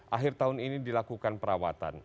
akhir tahun ini dilakukan perawatan